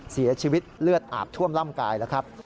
เสียชีวิตเลือดอาบท่วมร่างกายแล้วครับ